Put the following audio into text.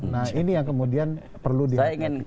nah ini yang kemudian perlu diinginkan